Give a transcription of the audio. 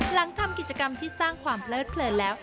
หลังทำกิจกรรมที่สร้างความเพลิดเพลินแล้ว